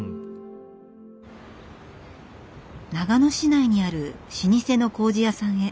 長野市内にある老舗のこうじ屋さんへ。